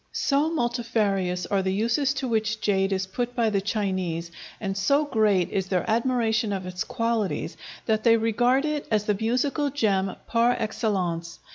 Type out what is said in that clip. So multifarious are the uses to which jade is put by the Chinese, and so great is their admiration of its qualities, that they regard it as the musical gem par excellence.